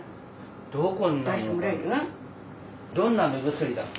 どんな目薬だっけ。